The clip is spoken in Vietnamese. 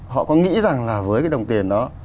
họ có nghĩ rằng là với cái đồng tiền đó